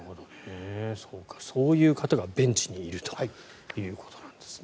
そういう方がベンチにいるということですね。